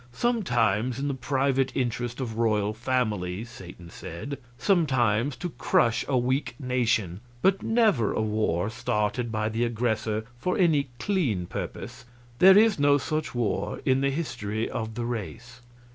"Sometimes in the private interest of royal families," Satan said, "sometimes to crush a weak nation; but never a war started by the aggressor for any clean purpose there is no such war in the history of the race."